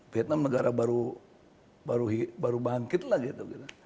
vietnam negara baru bangkit lah gitu